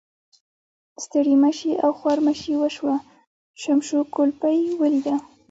ستړي مشي او خوارمشي وشوه، شمشو کولپۍ ولیده.